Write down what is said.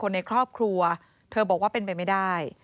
ในครอบครัวเธอบอกว่าเป็นไปไม่ได้